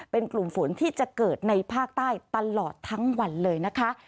เป็นกลุ่มฝนที่จะเกิดในภาคใต้ตลอดทั้งวันเลยนะคะ